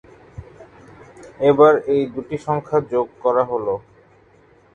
এবার এই দুটি সংখ্যা যোগ করা হল।